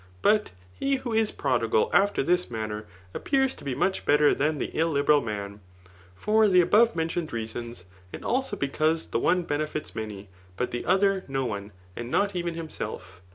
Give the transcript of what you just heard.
But he^ who is prodigal after this manner, appears to be muck, better than the illiberal man, for the above mentioned reasons, and also because the one benefits many^ but the other no one, and not even. himself.